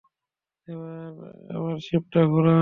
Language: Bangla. এবার শিপটা ঘোরান!